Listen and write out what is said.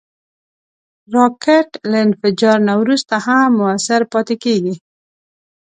راکټ له انفجار نه وروسته هم مؤثر پاتې کېږي